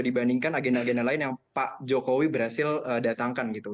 dibandingkan agenda agenda lain yang pak jokowi berhasil datangkan gitu